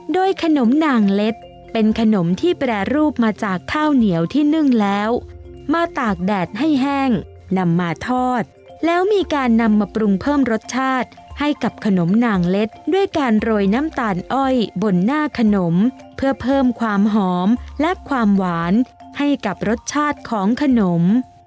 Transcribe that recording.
โดยขนมหน่างเล็ดเป็นขนมที่แปรรูปมาจากข้าวเหนียวที่นึ่งแล้วมาตากแดดให้แห้งนำมาทอดแล้วมีการนำมาปรุงเพิ่มรสชาติให้กับขนมหน่างเล็ดด้วยการโรยน้ำตาลอ้อยบนหน้าขนมเพื่อเพิ่มความหอมและความหวานให้กับรสชาติของขนม